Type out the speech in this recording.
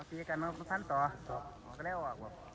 พี่กำลังกุมพันธุ์อ่ะเอาไว้กันแล้วอ่ะ